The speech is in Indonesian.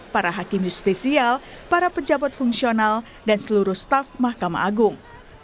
para hakim justisial para pejabat fungsional dan seluruh staf mahkamah agung